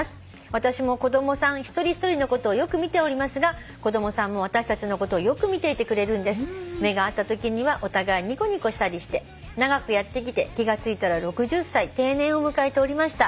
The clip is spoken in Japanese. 「私も子供さん一人一人のことをよく見ておりますが子供さんも私たちのことをよく見ていてくれるんです」「目が合ったときにはお互いにこにこしたりして長くやってきて気が付いたら６０歳」「定年を迎えておりました」